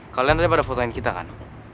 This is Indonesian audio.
kalian tadi pada fotokin kita kan